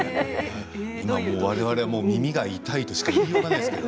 われわれは耳が痛いとしか言いようがないですけど。